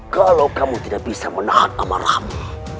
kalau kamu tidak bisa menahan amarahmu